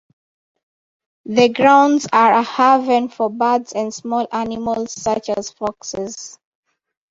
The grounds are a haven for birds and small animals such as foxes.